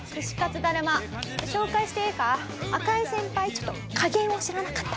ちょっと加減を知らなかった。